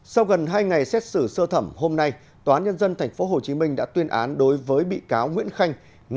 sau gần hai ngày xét xử sơ thẩm hôm nay tòa nhân dân tp hcm đã tuyên án đối với bị cáo nguyễn khanh